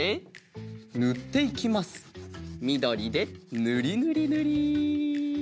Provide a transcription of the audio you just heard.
みどりでぬりぬりぬり。